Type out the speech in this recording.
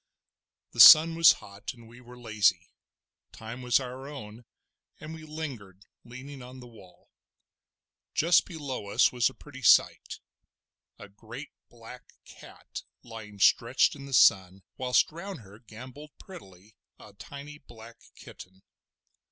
The sun was hot and we were lazy; time was our own, and we lingered, leaning on the wall. Just below us was a pretty sight—a great black cat lying stretched in the sun, whilst round her gambolled prettily a tiny black kitten.